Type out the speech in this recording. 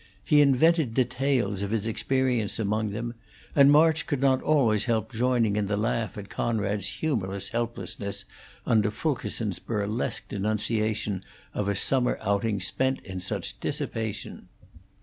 He invented details of his experience among them, and March could not always help joining in the laugh at Conrad's humorless helplessness under Fulkerson's burlesque denunciation of a summer outing spent in such dissipation.